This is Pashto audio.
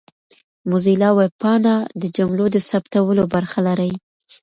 موزیلا ویبپاڼه د جملو د ثبتولو برخه لري.